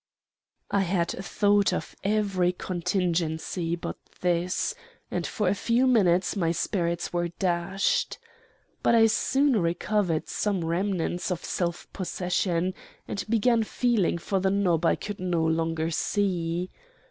"I had thought of every contingency but this, and for a few minutes my spirits were dashed. But I soon recovered some remnants of self possession, and began feeling for the knob I could no longer see.